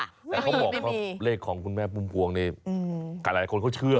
แต่เขาบอกเลขของคุณแม่ปุ้มพวงนี้กัดแหละคนเขาเชื่อ